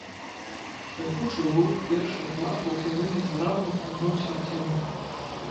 Хрыпучы гук першых махаў пілы нязграбна кульнуўся ў цемру.